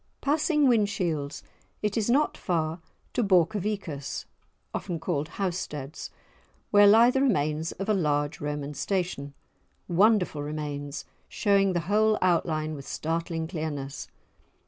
Passing Whinshields, it is not far to Borcovicus (often called Housteads) where lie the remains of a large Roman Station, wonderful remains, showing the whole outline with startling clearness.